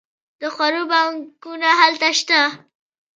د خوړو بانکونه هلته شته.